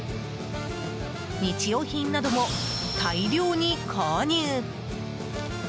日用品なども大量に購入。